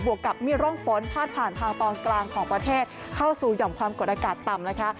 วกกับมีร่องฝนพาดผ่านทางตอนกลางของประเทศเข้าสู่หย่อมความกดอากาศต่ำนะคะ